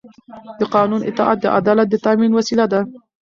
د قانون اطاعت د عدالت د تامین وسیله ده